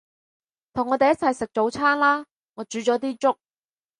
同我哋一齊食早餐啦，我煮咗啲粥